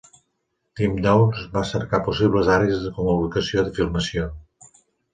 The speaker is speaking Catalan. Tim Downs va cercar possibles àrees com a ubicació de filmació.